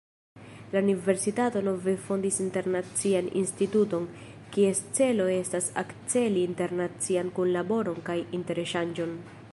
La universitato nove fondis Internacian Instituton, kies celo estas akceli internacian kunlaboron kaj interŝanĝon.